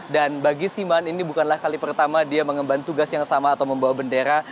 dan bagi simon ini bukanlah kali pertama dia mengembang tugas yang sama atau membawa bendera